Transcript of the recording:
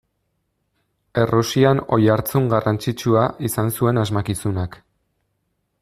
Errusian oihartzun garrantzitsua izan zuen asmakizunak.